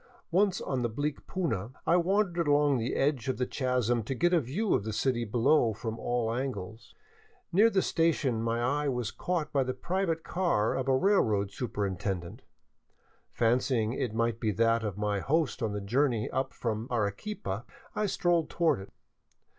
Once on the bleak puna, I wandered along the edge of the chasm to get a view of the city below from all angles. Near the station my eye was caught by the private car of a railroad superin tendent. Fancying it might be that of my host on the journey up: from Arequipa, I strolled toward it.